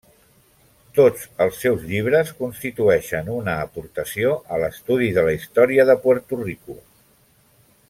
Tots els seus llibres constitueixen una aportació a l'estudi de la història de Puerto Rico.